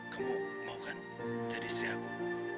kamu mau kan jadi istri aku